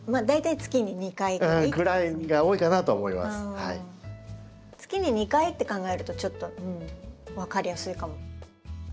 月に２回って考えるとちょっとうん分かりやすいかも。